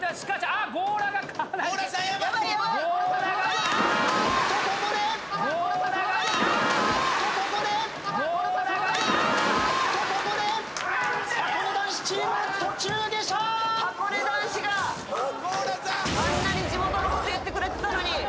あんなに地元のこと言ってくれてたのに。